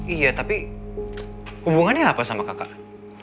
iya tapi hubungannya apa sama kakak